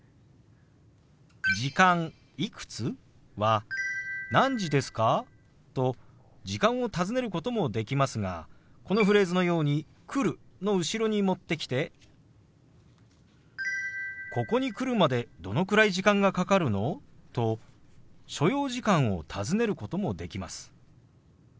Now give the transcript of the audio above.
「時間いくつ？」は「何時ですか？」と時間を尋ねることもできますがこのフレーズのように「来る」の後ろに持ってきて「ここに来るまでどのくらい時間がかかるの？」と所要時間を尋ねることもできます。